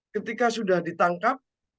ketika sudah ditangkap